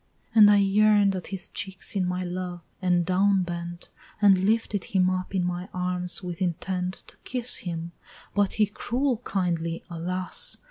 And I yearn'd at his cheeks in my love, and down bent, And lifted him up in my arms with intent To kiss him, but he cruel kindly, alas!